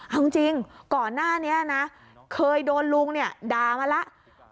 เอาจริงก่อนหน้านี้นะเคยโดนลุงเนี่ยด่ามาแล้ว